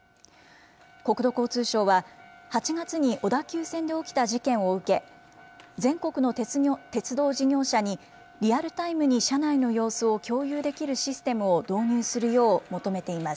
国土交通省は、８月に小田急線で起きた事件を受け、全国の鉄道事業者にリアルタイムに車内の様子を共有できるシステムを導入するよう求めています。